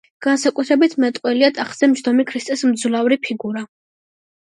განსაკუთრებით მეტყველია ტახტზე მჯდომი ქრისტეს მძლავრი ფიგურა.